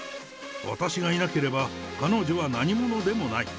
私がいなければ、彼女は何者でもない。